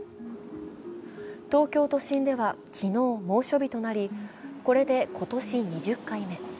東京都心では昨日、猛暑日となり、これで今年２０回目。